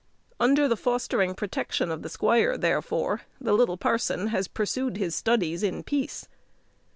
Under the fostering protection of the squire, therefore, the little parson has pursued his studies in peace.